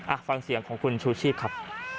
ฟังเสียงของคุณชูชีพครับ